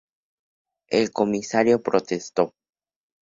El comisario protestó.